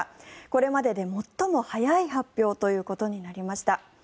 これまでで最も早い発表となりました。